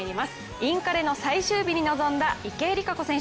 インカレの最終日に臨んだ池江璃花子選手。